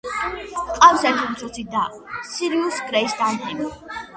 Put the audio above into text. ჰყავს ერთი უმცროსი და, სირიუს გრეის დანჰემი.